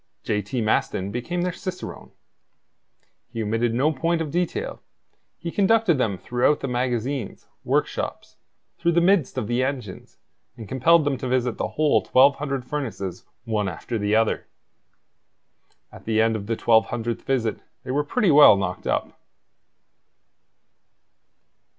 J. T. Maston became their cicerone. He omitted no point of detail; he conducted them throughout the magazines, workshops, through the midst of the engines, and compelled them to visit the whole 1,200 furnaces one after the other. At the end of the twelve hundredth visit they were pretty well knocked up.